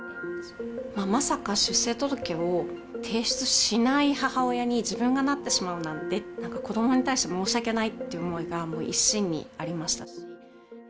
まさか出生届を提出しない母親に、自分がなってしまうなんてって、なんか子どもに対して申し訳ないっていう思いが、もう一心にありましたし。